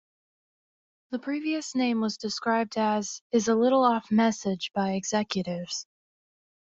The previous name was described as "is a little off-message" by executives.